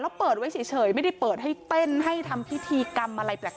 แล้วเปิดไว้เฉยไม่ได้เปิดให้เต้นให้ทำพิธีกรรมอะไรแปลก